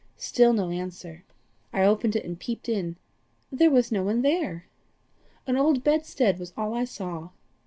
Still no answer. I opened it and peeped in. There was no one there! An old bedstead was all I saw.